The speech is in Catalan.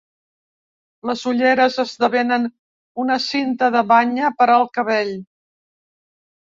Les ulleres esdevenen una cinta de banya per al cabell.